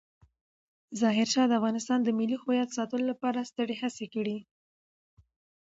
ظاهرشاه د افغانستان د ملي هویت ساتلو لپاره سترې هڅې وکړې.